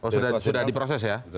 sudah diproses ya